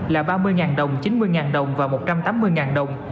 là ba mươi đồng chín mươi đồng và một trăm tám mươi đồng